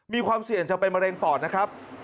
มีความเสี่ยงจะเป็นมะเร็งปอดนะครับ